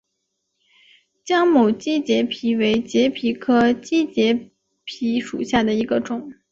江某畸节蜱为节蜱科畸节蜱属下的一个种。